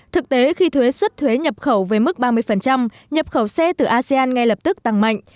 thực tế khi thuế xuất thuế nhập khẩu với mức ba mươi nhập khẩu xe từ asean ngay lập tức tăng mạnh